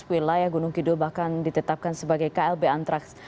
wilayah gunung kidul bahkan ditetapkan sebagai klb antraks